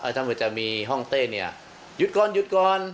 ถ้าเผื่อจะมีห้องเต้เนี่ยหยุดก่อนหยุดก่อน